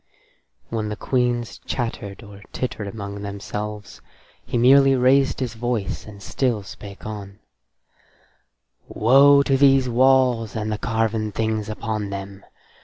When the queens chattered or tittered among themselves, he merely raised his voice and still spake on: "Woe to these walls and the carven things upon them.